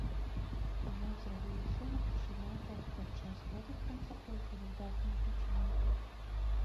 Ён зрабіў усё магчымае, каб падчас гэтых канцэртаў усё выдатна гучала.